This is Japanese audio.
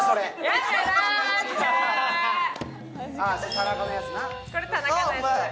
田中のやつな。